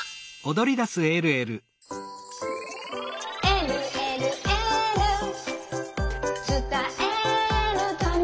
「えるえるエール」「つたえるために」